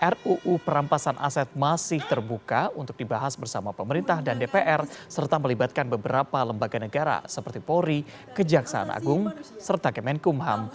ruu perampasan aset masih terbuka untuk dibahas bersama pemerintah dan dpr serta melibatkan beberapa lembaga negara seperti polri kejaksaan agung serta kemenkumham